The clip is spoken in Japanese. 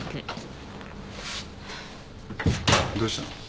どうしたの？